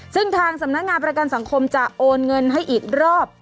ซึ่งทางสำนักงานประกันสังคมจะโอนเงินให้อีกรอบ